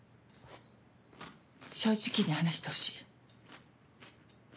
正直に話してほしい。